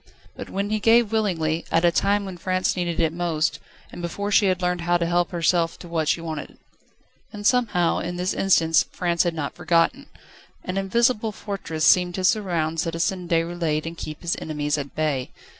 But when he gave willingly, at a time when France needed it most, and before she had learned how to help herself to what she wanted. And somehow, in this instance, France had not forgotten: an invisible fortress seemed to surround Citizen Déroulède and keep his enemies at bay.